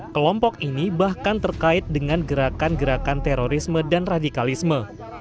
kelompok ini bahkan terkait dengan gerakan gerakan terorisme dan radikalisme